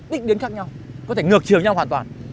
tích điến khác nhau có thể ngược trường nhau hoàn toàn